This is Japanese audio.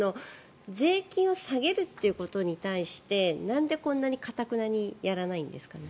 税金を下げるということに対してなんでこんなに頑なにやらないんですかね？